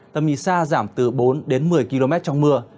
tầm nhìn xa giảm từ bốn đến một mươi km trong mưa